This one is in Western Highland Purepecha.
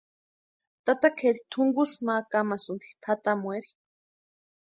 Tata Kʼeri tunkusï ma kamasïnti pʼatamueri.